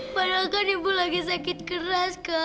padahal kan ibu lagi sakit keras